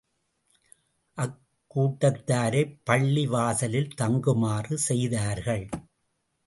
அக்கூட்டத்தாரைப் பள்ளி வாசலில் தங்குமாறு செய்தார்கள்.